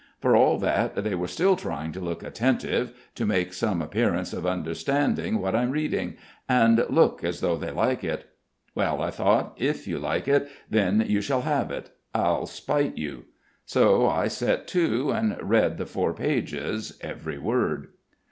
For all that they are still trying to look attentive, to make some appearance of understanding what I'm reading, and look as though they like it. 'Well,' I thought, 'if you like it, then you shall have it. I'll spite you.' So I set to and read the four pages, every word."